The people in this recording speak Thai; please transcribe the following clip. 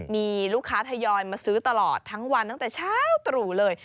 มีลูกค้าทยอยมาซื้อตลอดทั้งวันตั้งแต่เช้าตรู่เลย